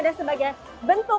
dan sebagai bentuk potret